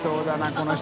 この人。